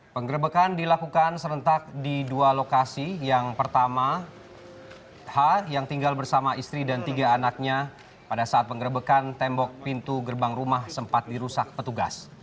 penggerbekan dilakukan serentak di dua lokasi yang pertama h yang tinggal bersama istri dan tiga anaknya pada saat pengerebekan tembok pintu gerbang rumah sempat dirusak petugas